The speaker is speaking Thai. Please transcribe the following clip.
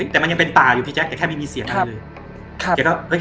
แต่มันยังเป็นป่าอยู่แกแค่ไม่มีเสียงแกก็